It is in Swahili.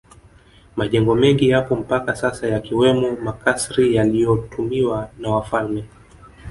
Majengo mengi yapo mpaka sasa yakiwemo makasri yaliyotumiwa na wafalme